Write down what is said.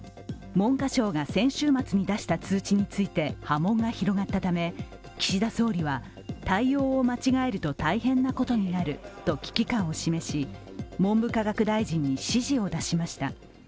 文科省が先週末に出した通知について波紋が広がったため、岸田総理は対応を間違えると大変なことになると危機感を示し文部科学大臣に指示を出しました。